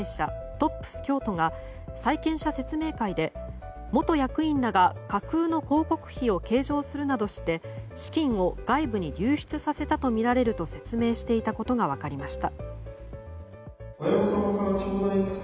ＴＯＰＳ京都が債権者説明会で元役員らが架空の広告費を計上するなどして資金を外部に流出させたとみられると説明していたことが分かりました。